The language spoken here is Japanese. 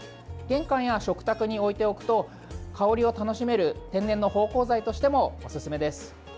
玄関や食卓に置いておくと香りを楽しめる天然の芳香剤としてもおすすめです。